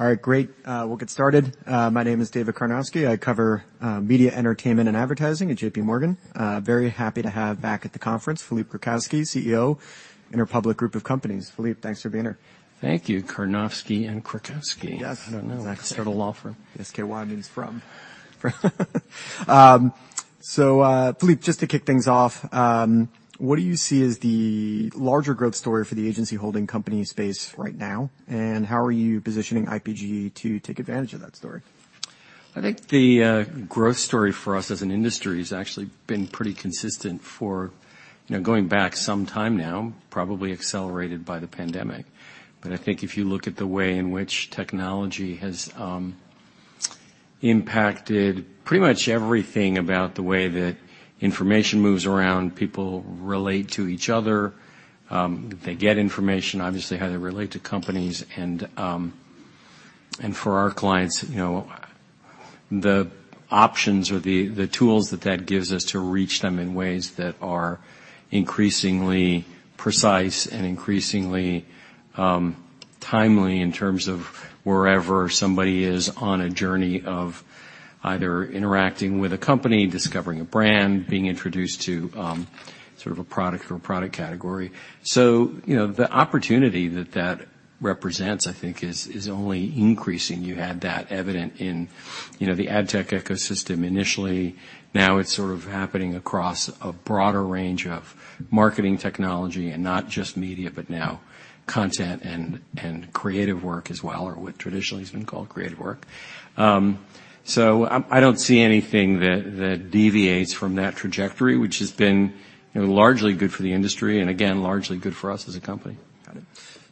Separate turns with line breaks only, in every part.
All right, great. We'll get started. My name is David Karnovsky. I cover media, entertainment, and advertising at J.P. Morgan. Very happy to have back at the conference, Philippe Krakowsky, CEO, Interpublic Group of Companies. Philippe, thanks for being here.
Thank you. Karnovsky and Krakowsky.
Yes.
I don't know. We have to start a law firm.
Skadden from. So, Philippe, just to kick things off, what do you see as the larger growth story for the agency holding company space right now? And how are you positioning IPG to take advantage of that story?
I think the growth story for us as an industry has actually been pretty consistent for, you know, going back some time now, probably accelerated by the pandemic. But I think if you look at the way in which technology has impacted pretty much everything about the way that information moves around, people relate to each other, they get information, obviously, how they relate to companies, and for our clients, you know, the options or the, the tools that that gives us to reach them in ways that are increasingly precise and increasingly timely in terms of wherever somebody is on a journey of either interacting with a company, discovering a brand, being introduced to sort of a product or a product category. So, you know, the opportunity that that represents, I think, is, is only increasing. You had that evident in, you know, the ad tech ecosystem initially. Now it's sort of happening across a broader range of marketing technology and not just media, but now content and creative work as well, or what traditionally has been called creative work. So I don't see anything that deviates from that trajectory, which has been largely good for the industry and again, largely good for us as a company.
Got it.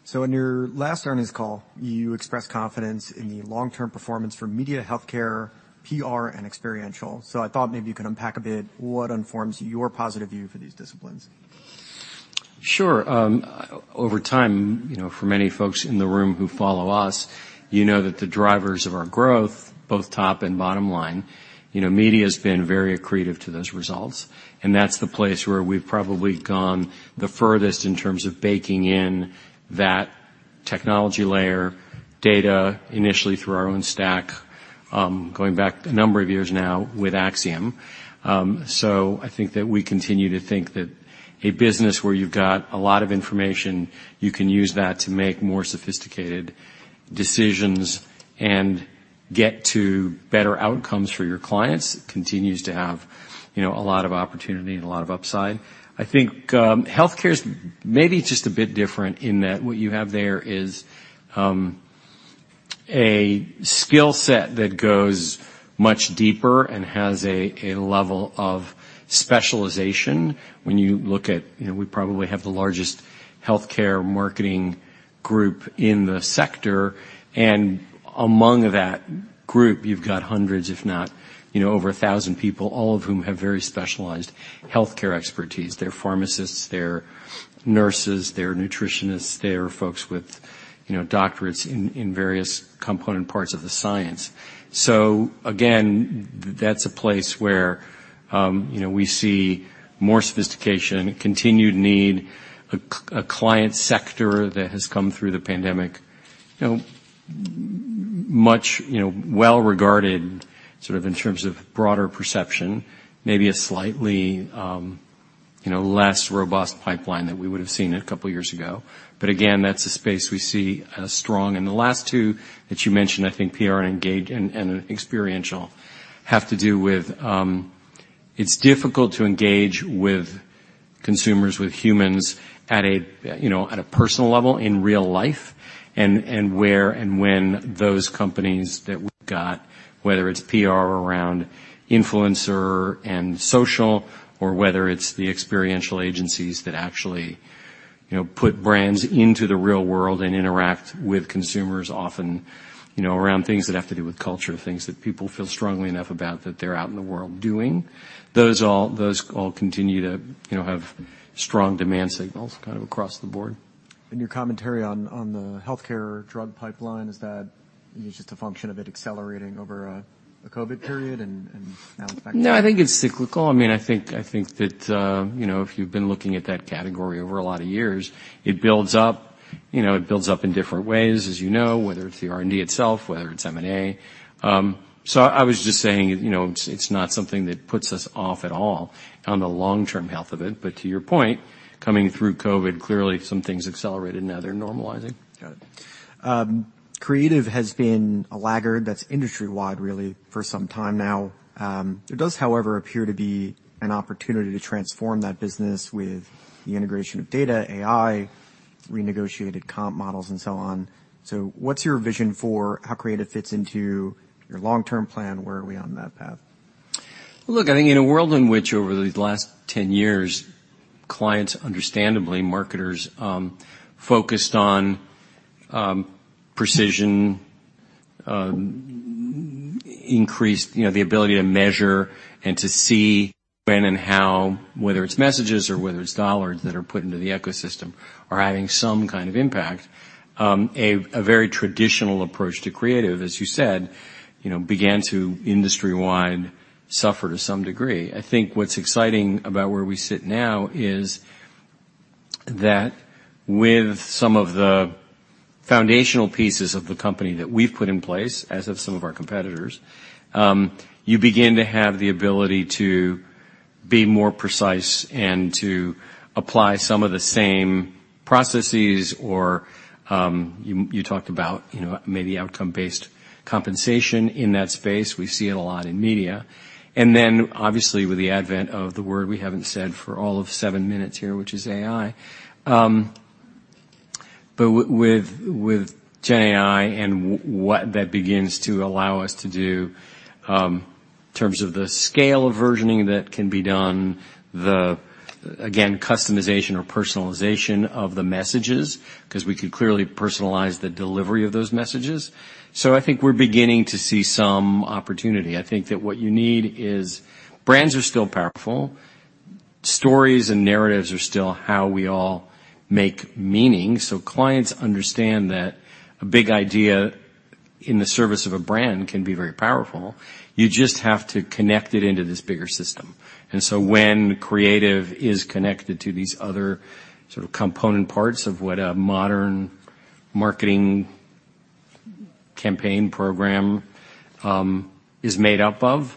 So in your last earnings call, you expressed confidence in the long-term performance for media, healthcare, PR, and experiential. So I thought maybe you could unpack a bit what informs your positive view for these disciplines.
Sure. Over time, you know, for many folks in the room who follow us, you know that the drivers of our growth, both top and bottom line, you know, media has been very accretive to those results, and that's the place where we've probably gone the furthest in terms of baking in that technology layer, data, initially through our own stack, going back a number of years now with Acxiom. So I think that we continue to think that a business where you've got a lot of information, you can use that to make more sophisticated decisions and get to better outcomes for your clients, continues to have, you know, a lot of opportunity and a lot of upside. I think, healthcare is maybe just a bit different in that what you have there is a skill set that goes much deeper and has a level of specialization. When you look at... You know, we probably have the largest healthcare marketing group in the sector, and among that group, you've got hundreds, if not, you know, over a thousand people, all of whom have very specialized healthcare expertise. They're pharmacists, they're nurses, they're nutritionists, they're folks with, you know, doctorates in various component parts of the science. So again, that's a place where, you know, we see more sophistication, continued need, a client sector that has come through the pandemic, you know, much, you know, well regarded, sort of in terms of broader perception, maybe a slightly, you know, less robust pipeline than we would have seen a couple of years ago. But again, that's a space we see as strong. And the last two that you mentioned, I think PR and engagement and experiential, have to do with... It's difficult to engage with consumers, with humans, at a, you know, at a personal level, in real life, and where and when those companies that we've got, whether it's PR around influencer and social, or whether it's the experiential agencies that actually, you know, put brands into the real world and interact with consumers, often, you know, around things that have to do with culture, things that people feel strongly enough about, that they're out in the world doing. Those all continue to, you know, have strong demand signals kind of across the board.
Your commentary on the healthcare drug pipeline, is that just a function of it accelerating over the COVID period and now in fact?
No, I think it's cyclical. I mean, I think, I think that, you know, if you've been looking at that category over a lot of years, it builds up, you know, it builds up in different ways, as you know, whether it's the R&D itself, whether it's M&A. So I was just saying, you know, it's, it's not something that puts us off at all on the long-term health of it. But to your point, coming through COVID, clearly some things accelerated. Now they're normalizing.
Got it. Creative has been a laggard that's industry-wide, really, for some time now. There does, however, appear to be an opportunity to transform that business with the integration of data, AI, renegotiated comp models, and so on. So what's your vision for how creative fits into your long-term plan? Where are we on that path?
Look, I think in a world in which over these last 10 years, clients, understandably, marketers, focused on precision, increased, you know, the ability to measure and to see when and how, whether it's messages or whether it's dollars that are put into the ecosystem are having some kind of impact. A very traditional approach to creative, as you said, you know, began to industry-wide suffer to some degree. I think what's exciting about where we sit now is that with some of the foundational pieces of the company that we've put in place, as have some of our competitors, you begin to have the ability to be more precise and to apply some of the same processes or, you talked about, you know, maybe outcome-based compensation in that space. We see it a lot in media, and then obviously, with the advent of the word we haven't said for all of seven minutes here, which is AI. But with Gen AI and what that begins to allow us to do, in terms of the scale of versioning that can be done, the, again, customization or personalization of the messages, 'cause we could clearly personalize the delivery of those messages. So I think we're beginning to see some opportunity. I think that what you need is, brands are still powerful. Stories and narratives are still how we all make meaning, so clients understand that a big idea in the service of a brand can be very powerful. You just have to connect it into this bigger system. When creative is connected to these other sort of component parts of what a modern marketing campaign program is made up of,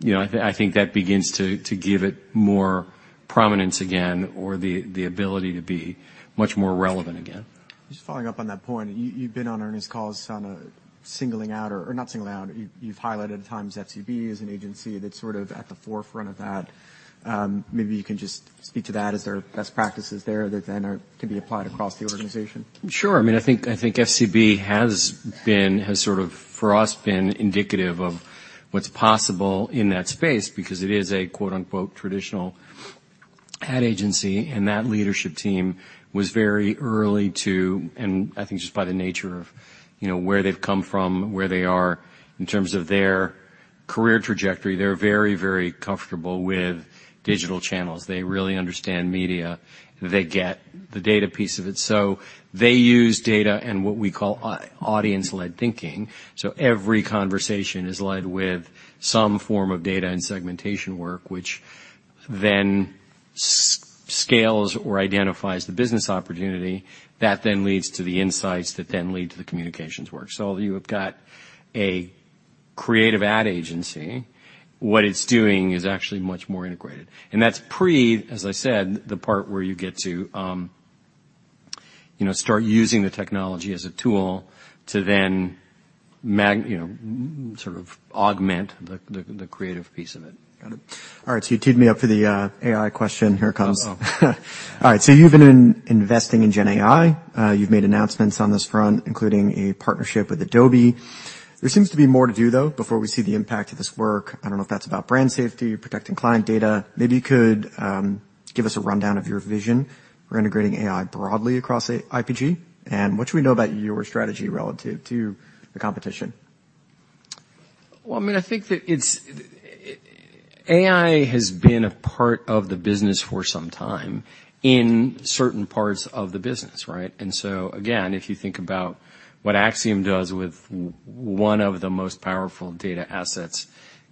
you know, I think that begins to give it more prominence again, or the ability to be much more relevant again.
Just following up on that point, you've been on earnings calls, kind of singling out or not singling out. You've highlighted at times FCB as an agency that's sort of at the forefront of that. Maybe you can just speak to that. Is there best practices there that then can be applied across the organization?
Sure. I mean, I think, I think FCB has been, has sort of, for us, been indicative of what's possible in that space because it is a, quote-unquote, "traditional" ad agency, and that leadership team was very early to... I think just by the nature of, you know, where they've come from, where they are in terms of their career trajectory, they're very, very comfortable with digital channels. They really understand media. They get the data piece of it. So they use data and what we call audience-led thinking. So every conversation is led with some form of data and segmentation work, which then scales or identifies the business opportunity. That then leads to the insights, that then lead to the communications work. So you have got a creative ad agency. What it's doing is actually much more integrated, and that's prior, as I said, the part where you get to, you know, start using the technology as a tool to then, you know, sort of augment the creative piece of it.
Got it. All right, so you teed me up for the AI question. Here it comes. All right, so you've been investing in Gen AI. You've made announcements on this front, including a partnership with Adobe. There seems to be more to do, though, before we see the impact of this work. I don't know if that's about brand safety, protecting client data. Maybe you could give us a rundown of your vision for integrating AI broadly across the IPG, and what should we know about your strategy relative to the competition?
Well, I mean, I think that it's, AI has been a part of the business for some time in certain parts of the business, right? And so, again, if you think about what Acxiom does with one of the most powerful data assets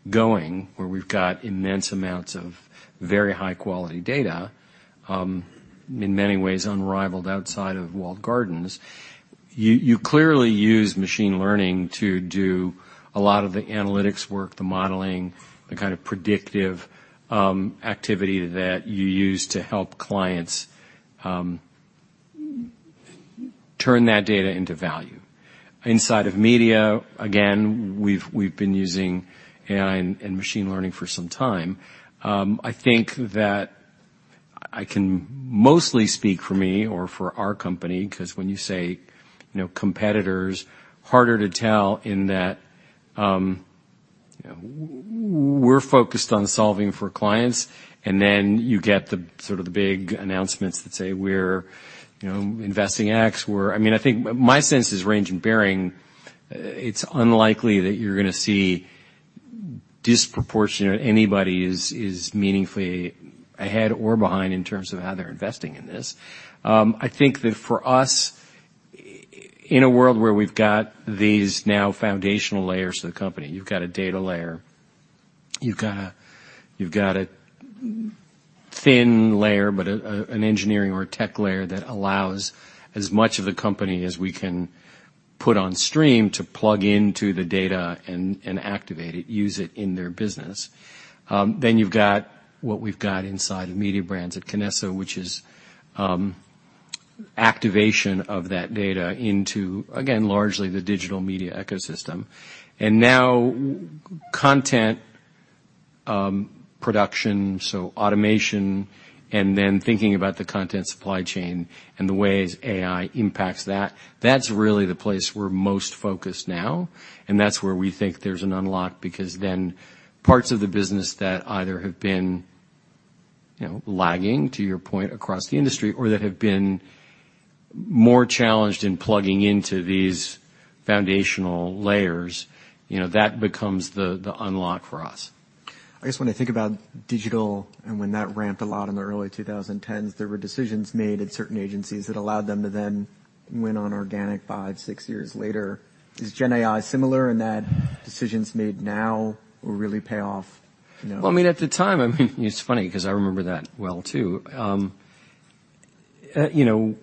going, where we've got immense amounts of very high-quality data, in many ways unrivaled outside of walled gardens, you, you clearly use machine learning to do a lot of the analytics work, the modeling, the kind of predictive, activity that you use to help clients, turn that data into value. Inside of media, again, we've, we've been using AI and, and machine learning for some time. I think that I can mostly speak for me or for our company, 'cause when you say, you know, competitors, harder to tell in that, you know, we're focused on solving for clients, and then you get the sort of the big announcements that say, we're, you know, investing in X, we're... I mean, I think my sense is range and bearing. It's unlikely that you're gonna see disproportionate anybody is meaningfully ahead or behind in terms of how they're investing in this. I think that for us, in a world where we've got these now foundational layers to the company, you've got a data layer, you've got a thin layer, but an engineering or a tech layer that allows as much of the company as we can put on stream to plug into the data and activate it, use it in their business. Then you've got what we've got inside of Mediabrands at Kinesso, which is activation of that data into, again, largely the digital media ecosystem. And now content production, so automation, and then thinking about the content supply chain and the ways AI impacts that, that's really the place we're most focused now, and that's where we think there's an unlock. Because then, parts of the business that either have been, you know, lagging, to your point, across the industry, or that have been more challenged in plugging into these foundational layers, you know, that becomes the unlock for us.
I just want to think about digital and when that ramped a lot in the early 2010s, there were decisions made at certain agencies that allowed them to then went on organic 5, 6 years later. Is Gen AI similar in that decisions made now will really pay off, you know?
Well, I mean, at the time, I mean, it's funny 'cause I remember that well, too. You know,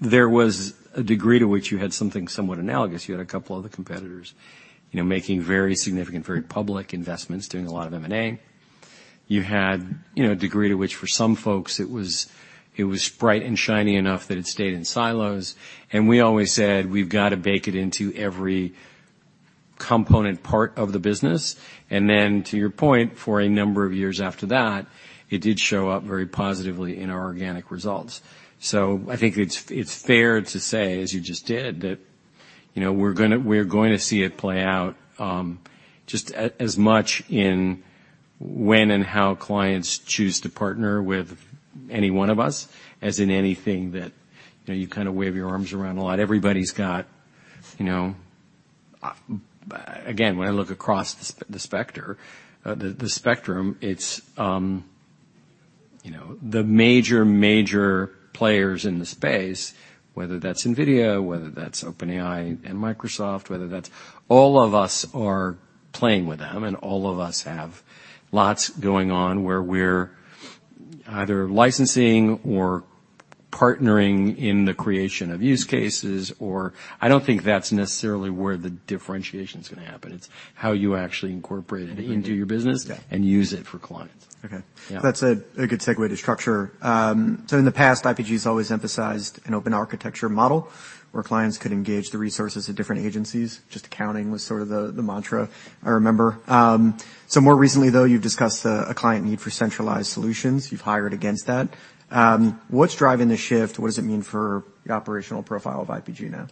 there was a degree to which you had something somewhat analogous. You had a couple other competitors, you know, making very significant, very public investments, doing a lot of M&A. You had, you know, a degree to which, for some folks, it was, it was bright and shiny enough that it stayed in silos, and we always said: We've got to bake it into every component part of the business. Then, to your point, for a number of years after that, it did show up very positively in our organic results. So I think it's fair to say, as you just did, that, you know, we're gonna, we're going to see it play out, as much in when and how clients choose to partner with any one of us, as in anything that, you know, you kind of wave your arms around a lot. Everybody's got, you know... Again, when I look across the spectrum, it's, you know, the major, major players in the space, whether that's NVIDIA, whether that's OpenAI and Microsoft, whether that's... All of us are playing with them, and all of us have lots going on, where we're either licensing or partnering in the creation of use cases, or I don't think that's necessarily where the differentiation is gonna happen. It's how you actually incorporate it into your business.
Yeah.
and use it for clients.
Okay.
Yeah.
That's a good segue to structure. So in the past, IPG has always emphasized an open architecture model, where clients could engage the resources of different agencies. Just accounting was sort of the mantra, I remember. So more recently, though, you've discussed a client need for centralized solutions. You've hired against that. What's driving the shift? What does it mean for the operational profile of IPG now?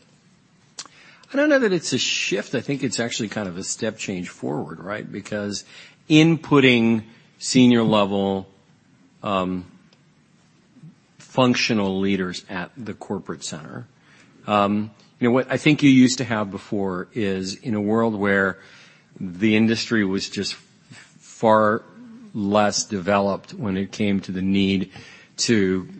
I don't know that it's a shift. I think it's actually kind of a step change forward, right? Because inputting senior level, functional leaders at the corporate center, you know, what I think you used to have before is in a world where the industry was just far less developed when it came to the need to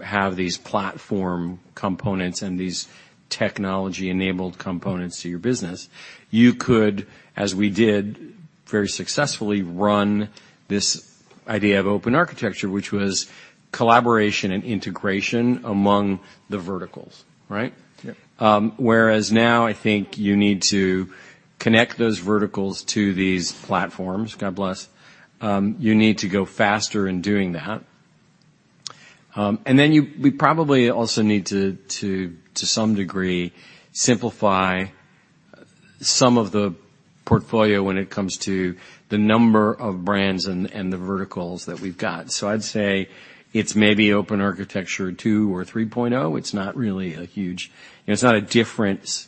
have these platform components and these technology-enabled components to your business, you could, as we did, very successfully run this idea of open architecture, which was collaboration and integration among the verticals, right?
Yep.
Whereas now I think you need to connect those verticals to these platforms. God bless. You need to go faster in doing that. And then you—we probably also need to some degree simplify some of the portfolio when it comes to the number of brands and the verticals that we've got. So I'd say it's maybe open architecture 2.0 or 3.0. It's not really a huge... It's not a different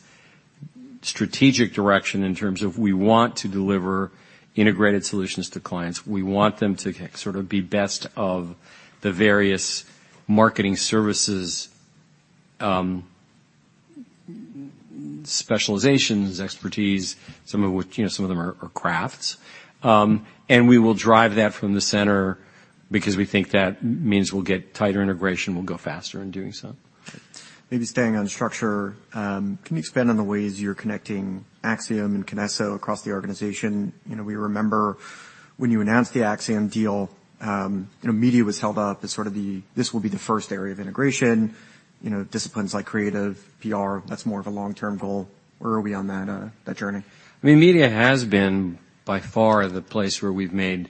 strategic direction in terms of we want to deliver integrated solutions to clients. We want them to sort of be best of the various marketing services specializations, expertise, some of which, you know, some of them are crafts. And we will drive that from the center because we think that means we'll get tighter integration, we'll go faster in doing so.
Maybe staying on structure, can you expand on the ways you're connecting Acxiom and Kinesso across the organization? You know, we remember when you announced the Acxiom deal, you know, media was held up as sort of the, this will be the first area of integration. You know, disciplines like creative, PR, that's more of a long-term goal. Where are we on that, that journey?
I mean, media has been by far the place where we've made,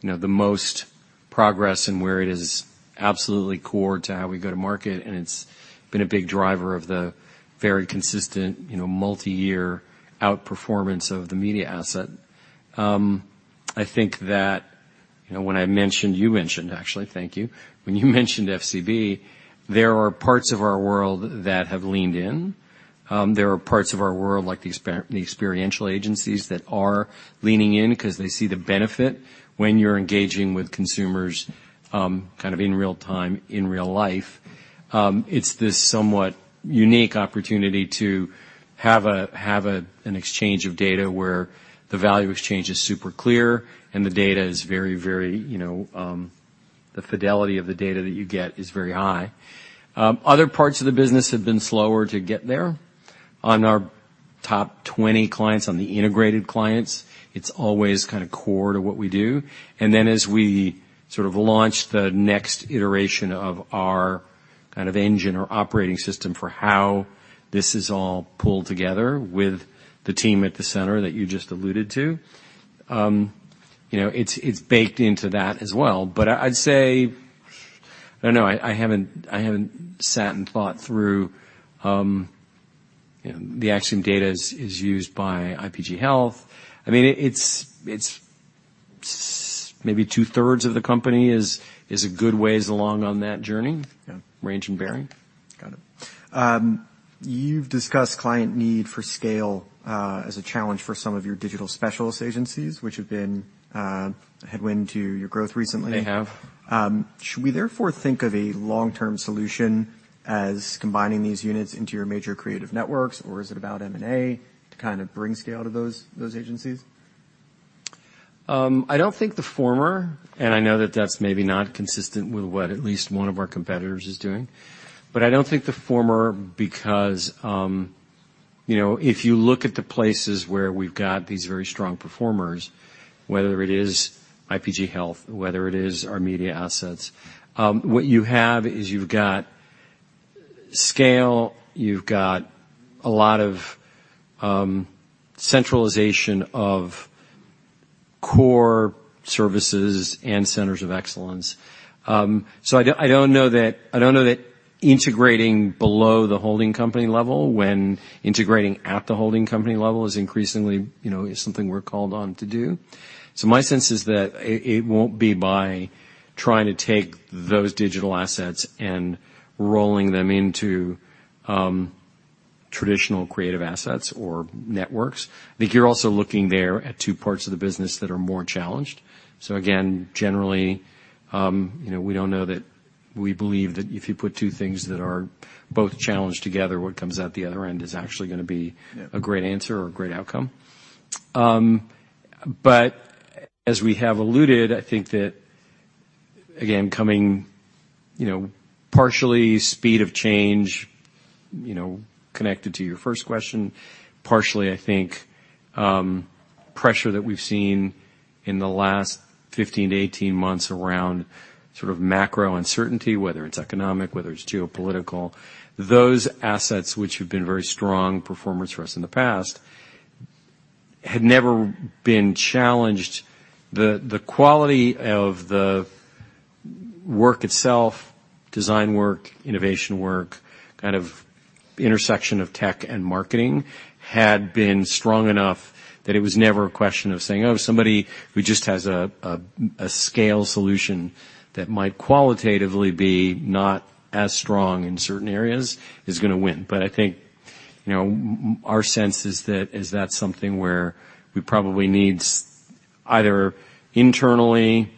you know, the most progress and where it is absolutely core to how we go to market, and it's been a big driver of the very consistent, you know, multiyear outperformance of the media asset. I think that, you know, when I mentioned, you mentioned, actually, thank you. When you mentioned FCB, there are parts of our world that have leaned in. There are parts of our world, like the experiential agencies, that are leaning in because they see the benefit when you're engaging with consumers, kind of in real time, in real life. It's this somewhat unique opportunity to have an exchange of data where the value exchange is super clear and the data is very, very, you know, the fidelity of the data that you get is very high. Other parts of the business have been slower to get there. On our top 20 clients, on the integrated clients, it's always kind of core to what we do. And then, as we sort of launch the next iteration of our kind of engine or operating system for how this is all pulled together with the team at the center that you just alluded to, you know, it's baked into that as well. But I'd say... I don't know, I haven't sat and thought through, you know, the Acxiom data is used by IPG Health. I mean, it's maybe two-thirds of the company is a good ways along on that journey.
Yeah.
Range and bearing.
Got it. You've discussed client need for scale as a challenge for some of your digital specialist agencies, which have been a headwind to your growth recently.
They have.
Should we therefore think of a long-term solution as combining these units into your major creative networks, or is it about M&A to kind of bring scale to those, those agencies?...
I don't think the former, and I know that that's maybe not consistent with what at least one of our competitors is doing. But I don't think the former because, you know, if you look at the places where we've got these very strong performers, whether it is IPG Health, whether it is our media assets, what you have is you've got scale, you've got a lot of, centralization of core services and centers of excellence. So I don't know that, I don't know that integrating below the holding company level, when integrating at the holding company level is increasingly, you know, is something we're called on to do. So my sense is that it, it won't be by trying to take those digital assets and rolling them into, traditional creative assets or networks. I think you're also looking there at two parts of the business that are more challenged. So again, generally, you know, we don't know that we believe that if you put two things that are both challenged together, what comes out the other end is actually gonna be-
Yeah.
A great answer or a great outcome. But as we have alluded, I think that, again, coming, you know, partially speed of change, you know, connected to your first question. Partially, I think, pressure that we've seen in the last 15-18 months around sort of macro uncertainty, whether it's economic, whether it's geopolitical, those assets which have been very strong performers for us in the past, had never been challenged. The quality of the work itself, design work, innovation work, kind of intersection of tech and marketing, had been strong enough that it was never a question of saying, "Oh, somebody who just has a scale solution that might qualitatively be not as strong in certain areas, is gonna win." But I think, you know, our sense is that something where we probably need either internally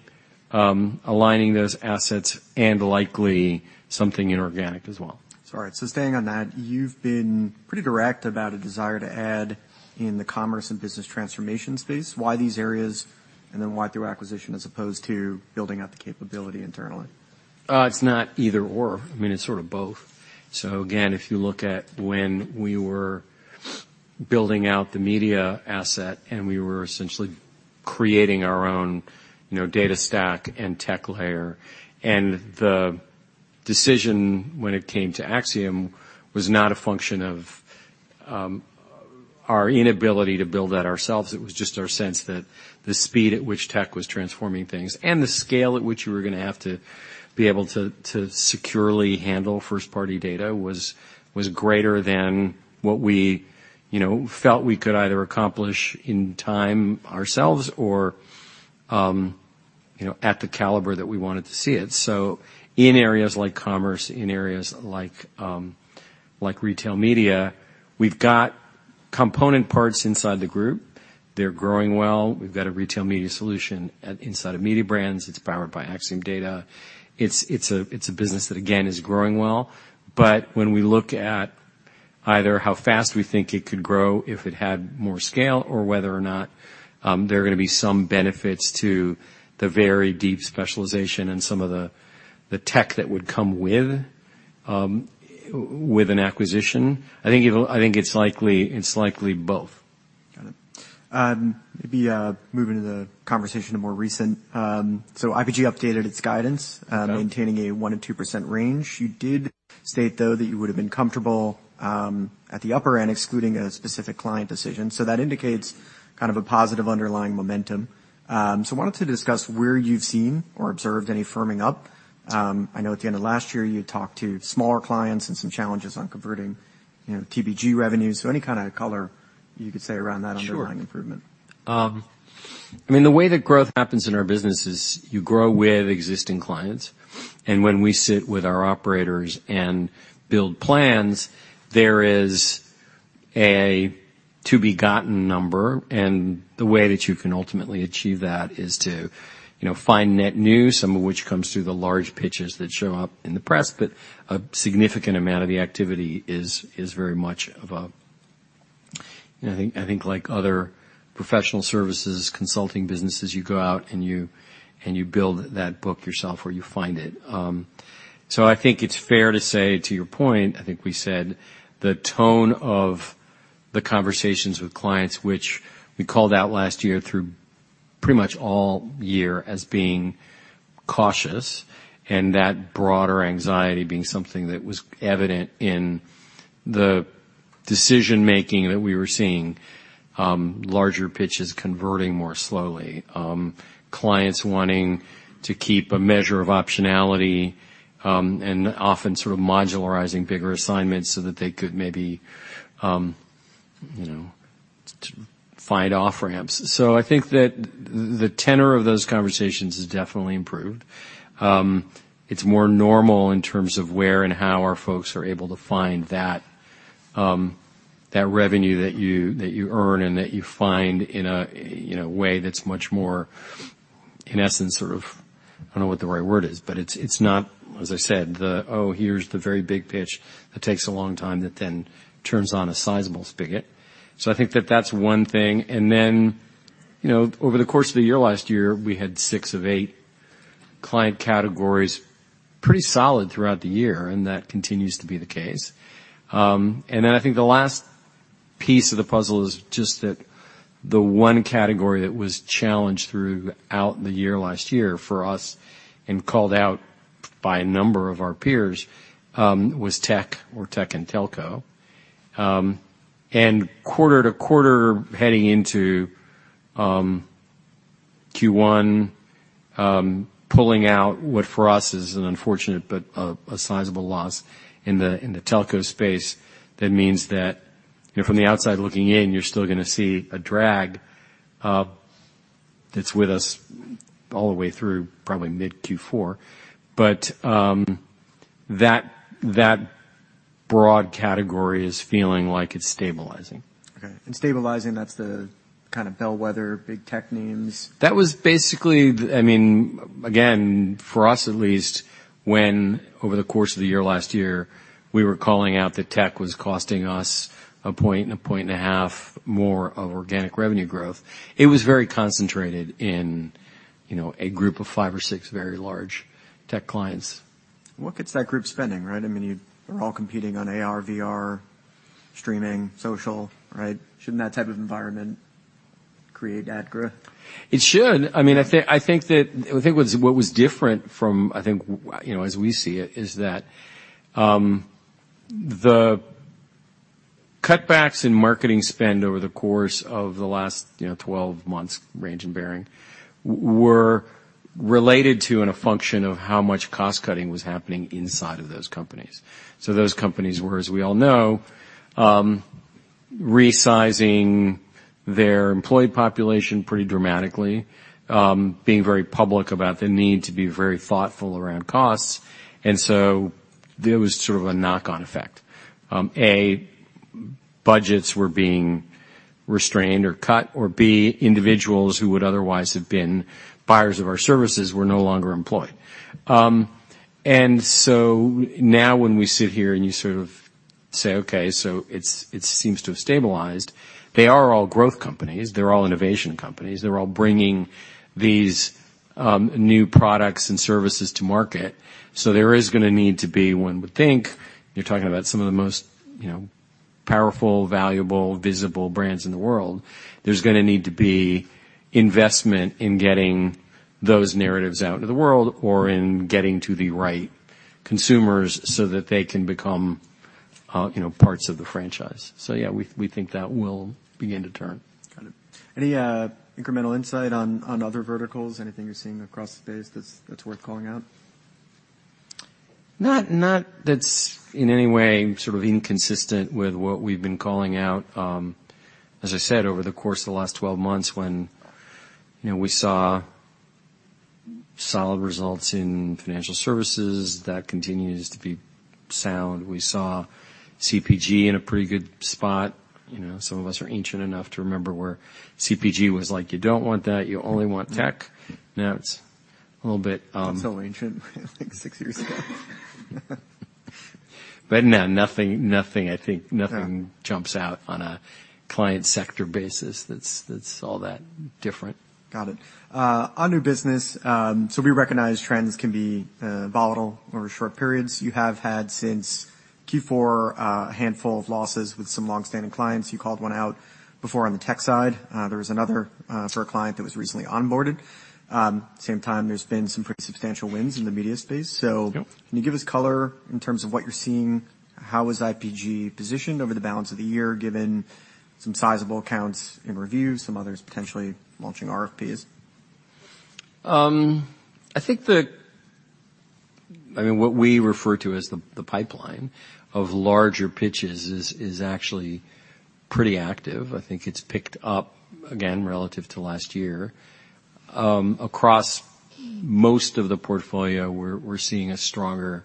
aligning those assets and likely something inorganic as well.
Sorry. So staying on that, you've been pretty direct about a desire to add in the commerce and business transformation space. Why these areas, and then why through acquisition, as opposed to building out the capability internally?
It's not either or, I mean, it's sort of both. So again, if you look at when we were building out the media asset, and we were essentially creating our own, you know, data stack and tech layer, and the decision, when it came to Acxiom, was not a function of our inability to build that ourselves. It was just our sense that the speed at which tech was transforming things and the scale at which we were gonna have to be able to to securely handle first-party data was greater than what we, you know, felt we could either accomplish in time ourselves or, you know, at the caliber that we wanted to see it. So in areas like commerce, in areas like like retail media, we've got component parts inside the group. They're growing well. We've got a retail media solution inside of Mediabrands. It's powered by Acxiom data. It's a business that, again, is growing well. But when we look at either how fast we think it could grow if it had more scale, or whether or not there are gonna be some benefits to the very deep specialization and some of the tech that would come with an acquisition, I think it'll. I think it's likely, it's likely both.
Got it. Maybe, moving to the conversation to more recent. So IPG updated its guidance-
Yeah.
Maintaining a 1%-2% range. You did state, though, that you would have been comfortable at the upper end, excluding a specific client decision. So that indicates kind of a positive underlying momentum. So wanted to discuss where you've seen or observed any firming up. I know at the end of last year, you talked to smaller clients and some challenges on converting, you know, TBG revenues. So any kind of color you could say around that.
Sure.
-underlying improvement.
I mean, the way that growth happens in our business is, you grow with existing clients, and when we sit with our operators and build plans, there is a to-be-gotten number, and the way that you can ultimately achieve that is to, you know, find net new, some of which comes through the large pitches that show up in the press. But a significant amount of the activity is very much of a... I think like other professional services, consulting businesses, you go out, and you build that book yourself or you find it. So I think it's fair to say, to your point, I think we said the tone of the conversations with clients, which we called out last year through pretty much all year, as being cautious, and that broader anxiety being something that was evident in the decision-making, that we were seeing, larger pitches converting more slowly. Clients wanting to keep a measure of optionality, and often sort of modularizing bigger assignments so that they could maybe, you know, find off-ramps. So I think that the tenor of those conversations has definitely improved. It's more normal in terms of where and how our folks are able to find that, that revenue that you, that you earn and that you find in a, you know, way that's much more-... In essence, sort of, I don't know what the right word is, but it's not, as I said, oh, here's the very big pitch that takes a long time, that then turns on a sizable spigot. So I think that's one thing. And then, you know, over the course of the year, last year, we had 6 of 8 client categories pretty solid throughout the year, and that continues to be the case. And then I think the last piece of the puzzle is just that the one category that was challenged throughout the year, last year for us, and called out by a number of our peers, was tech or tech and telco. And quarter to quarter, heading into Q1, pulling out what for us is an unfortunate but a sizable loss in the telco space. That means that, you know, from the outside looking in, you're still gonna see a drag that's with us all the way through, probably mid Q4. But that broad category is feeling like it's stabilizing.
Okay. And stabilizing, that's the kind of bellwether, big tech names?
That was basically, I mean, again, for us at least, when over the course of the year, last year, we were calling out that tech was costing us a point, a point and a half more of organic revenue growth. It was very concentrated in, you know, a group of 5 or 6 very large tech clients.
What gets that group spending, right? I mean, you, they're all competing on AR, VR, streaming, social, right? Shouldn't that type of environment create that growth?
It should. I mean, I think, I think that... I think what, what was different from, I think, you know, as we see it, is that, the cutbacks in marketing spend over the course of the last, you know, 12 months, range and bearing, were related to and a function of how much cost cutting was happening inside of those companies. So those companies were, as we all know, resizing their employee population pretty dramatically, being very public about the need to be very thoughtful around costs, and so there was sort of a knock-on effect. A, budgets were being restrained or cut, or B, individuals who would otherwise have been buyers of our services were no longer employed. And so now when we sit here and you sort of say, okay, so it's, it seems to have stabilized. They are all growth companies, they're all innovation companies, they're all bringing these new products and services to market. So there is gonna need to be... One would think, you're talking about some of the most, you know, powerful, valuable, visible brands in the world. There's gonna need to be investment in getting those narratives out into the world, or in getting to the right consumers so that they can become, you know, parts of the franchise. So yeah, we, we think that will begin to turn.
Got it. Any incremental insight on other verticals? Anything you're seeing across the space that's worth calling out?
No, not that's in any way sort of inconsistent with what we've been calling out. As I said, over the course of the last 12 months, when, you know, we saw solid results in financial services, that continues to be sound. We saw CPG in a pretty good spot. You know, some of us are ancient enough to remember where CPG was like: You don't want that, you only want tech. Now it's a little bit,
That's so ancient, like 6 years ago.
No, nothing, nothing, I think nothing-
Yeah...
jumps out on a client sector basis that's all that different.
Got it. On new business, so we recognize trends can be volatile over short periods. You have had, since Q4, a handful of losses with some long-standing clients. You called one out before on the tech side. There was another for a client that was recently onboarded. Same time, there's been some pretty substantial wins in the media space.
Yep.
Can you give us color in terms of what you're seeing? How is IPG positioned over the balance of the year, given some sizable accounts in review, some others potentially launching RFPs?
I think, I mean, what we refer to as the pipeline of larger pitches is actually pretty active. I think it's picked up again relative to last year. Across most of the portfolio, we're seeing a stronger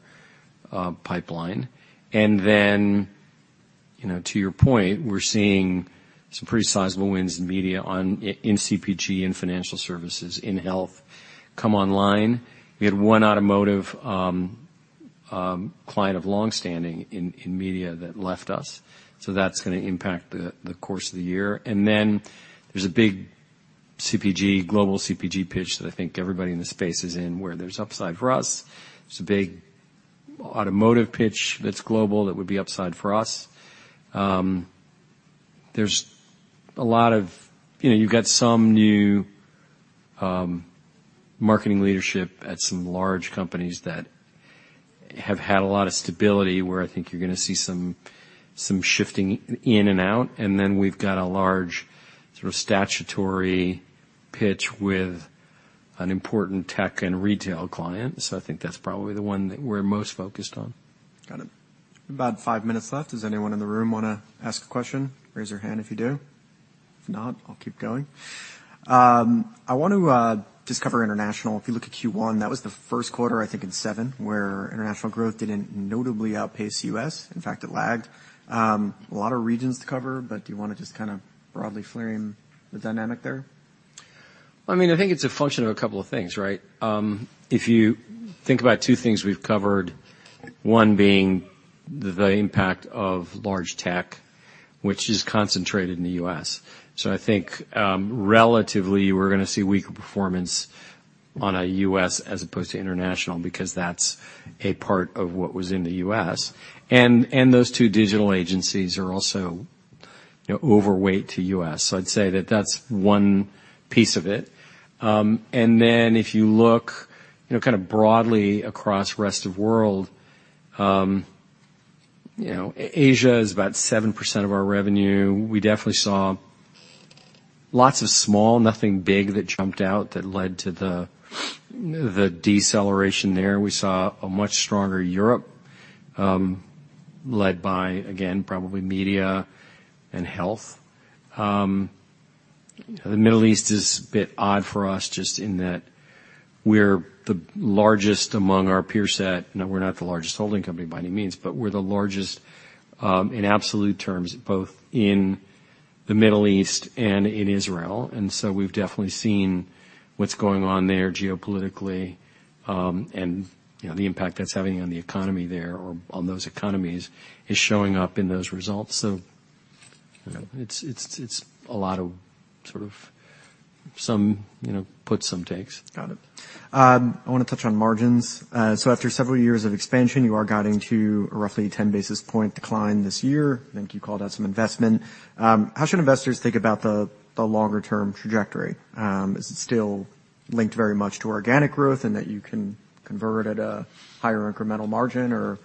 pipeline. And then, you know, to your point, we're seeing some pretty sizable wins in media in CPG and financial services, in health, come online. We had one automotive client of long-standing in media that left us, so that's gonna impact the course of the year. And then there's a big CPG, global CPG pitch that I think everybody in the space is in, where there's upside for us. There's a big automotive pitch that's global, that would be upside for us. There's a lot of... You know, you've got some new marketing leadership at some large companies that have had a lot of stability, where I think you're gonna see some, some shifting in and out. And then we've got a large sort of statutory pitch with an important tech and retail client, so I think that's probably the one that we're most focused on.
Got it. About 5 minutes left. Does anyone in the room want to ask a question? Raise your hand if you do. If not, I'll keep going. I want to just cover international. If you look at Q1, that was the first quarter, I think in seven, where international growth didn't notably outpace the US. In fact, it lagged. A lot of regions to cover, but do you want to just kind of broadly frame the dynamic there?...
I mean, I think it's a function of a couple of things, right? If you think about two things we've covered, one being the impact of large tech, which is concentrated in the U.S. So I think, relatively, we're gonna see weaker performance in the U.S. as opposed to international, because that's a part of what was in the U.S. And those two digital agencies are also, you know, overweight to U.S. So I'd say that that's one piece of it. And then, if you look, you know, kind of broadly across rest of world, you know, Asia is about 7% of our revenue. We definitely saw lots of small, nothing big that jumped out, that led to the deceleration there. We saw a much stronger Europe, led by, again, probably media and health. The Middle East is a bit odd for us, just in that we're the largest among our peer set. No, we're not the largest holding company by any means, but we're the largest in absolute terms, both in the Middle East and in Israel, and so we've definitely seen what's going on there geopolitically. And, you know, the impact that's having on the economy there or on those economies is showing up in those results. So, you know, it's a lot of sort of some, you know, puts some takes.
Got it. I want to touch on margins. So after several years of expansion, you are guiding to a roughly 10 basis point decline this year. I think you called out some investment. How should investors think about the, the longer term trajectory? Is it still linked very much to organic growth and that you can convert at a higher incremental margin, or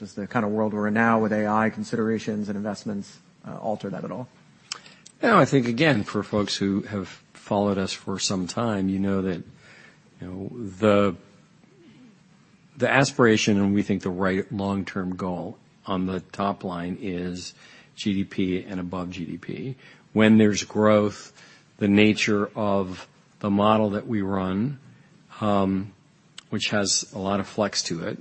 is the kind of world we're in now with AI considerations and investments, alter that at all?
No, I think, again, for folks who have followed us for some time, you know, that the aspiration, and we think the right long-term goal on the top line is GDP and above GDP. When there's growth, the nature of the model that we run, which has a lot of flex to it,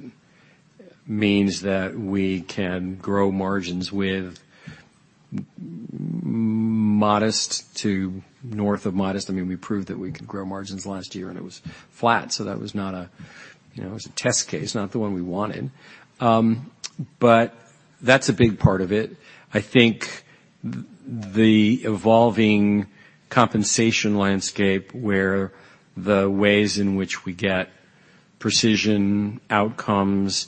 means that we can grow margins with modest to north of modest. I mean, we proved that we could grow margins last year, and it was flat, so that was not—you know, it was a test case, not the one we wanted. But that's a big part of it. I think the evolving compensation landscape, where the ways in which we get precision outcomes,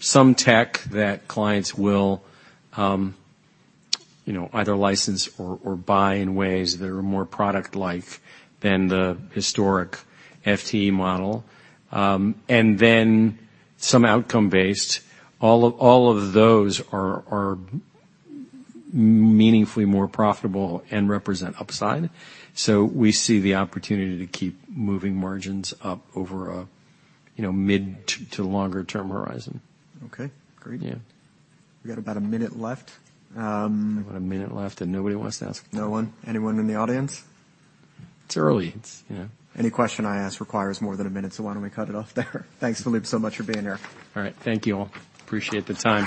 some tech that clients will, you know, either license or, or buy in ways that are more product-like than the historic FTE model, and then some outcome-based, all of, all of those are, are meaningfully more profitable and represent upside. So we see the opportunity to keep moving margins up over a, you know, mid to longer term horizon.
Okay, great.
Yeah.
We got about a minute left.
About a minute left, and nobody wants to ask?
No one. Anyone in the audience?
It's early. It's, you know.
Any question I ask requires more than a minute, so why don't we cut it off there? Thanks, Philippe, so much for being here.
All right. Thank you all. Appreciate the time.